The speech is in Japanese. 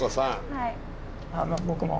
はい。